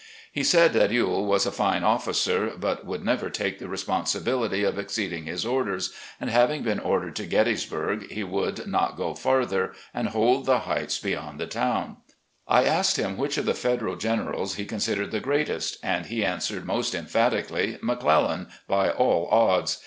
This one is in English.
He said that Ewell was a fine officer, but would never take the responsibility of exceeding his ordCTS, and having been ordered to Gettysbuig, he would 4i6 recollections OF GENERAL LEE not go farther and hold the heights beyond the to^vn. 1 asked him which of the Federal generals he considered the greatest, and he answered most emphatically ' McClel lan by all odds.